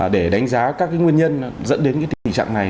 để đánh giá các cái nguyên nhân dẫn đến cái tình trạng này